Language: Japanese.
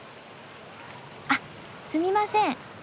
あっすみません。